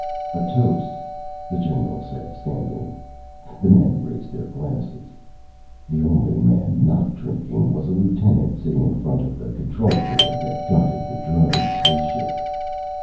"A toast," the general said, standing. The men raised their glasses. The only man not drinking was a lieutenant, sitting in front of the control board that guided the drone spaceship.